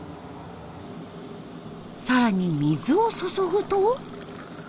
更に水を注ぐと。